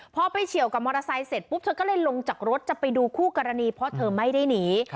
พอไปเฉียวกับมอเตอร์ไซค์เสร็จปุ๊บเธอก็เลยลงจากรถจะไปดูคู่กรณีเพราะเธอไม่ได้หนี